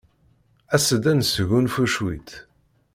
As-d ad nesgunfu cwiṭ.